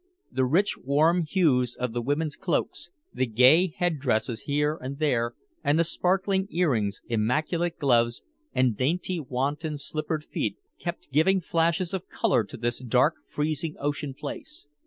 The rich warm hues of the women's cloaks, the gay head dresses here and there and the sparkling earrings, immaculate gloves and dainty wanton slippered feet, kept giving flashes of color to this dark freezing ocean place.